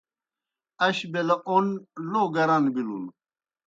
اش بیلہ اوْن لو گران بِلُن۔